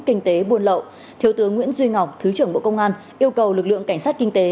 kinh tế buôn lậu thiếu tướng nguyễn duy ngọc thứ trưởng bộ công an yêu cầu lực lượng cảnh sát kinh tế